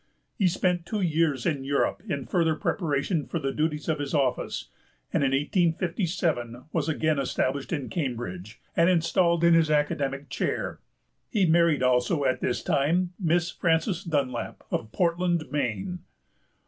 He spent two years in Europe in further preparation for the duties of his office, and in 1857 was again established in Cambridge, and installed in his academic chair. He married, also, at this time Miss Frances Dunlap, of Portland, Maine.